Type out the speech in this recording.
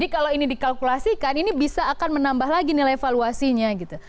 kalau ini dikalkulasikan ini bisa akan menambah lagi nilai valuasinya gitu